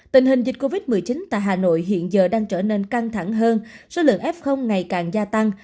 tình hình dịch covid một mươi chín tại hà nội hiện giờ đang trở nên căng thẳng hơn số lượng f ngày càng gia tăng